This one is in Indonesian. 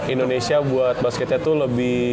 indonesia buat basketnya tuh lebih